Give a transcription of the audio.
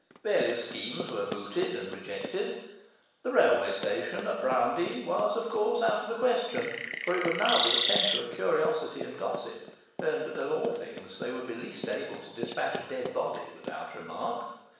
Various schemes were mooted and rejected. The railway station at Browndean was, of course, out of the question, for it would now be a centre of curiosity and gossip, and (of all things) they would be least able to dispatch a dead body without remark.